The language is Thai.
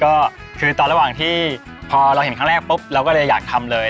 ก็คือตอนระหว่างที่พอเราเห็นครั้งแรกปุ๊บเราก็เลยอยากทำเลย